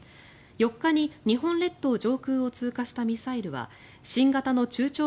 ４日に日本列島上空を通過したミサイルは新型の中長